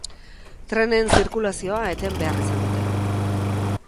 Trenen zirkulazioa eten behar izan dute.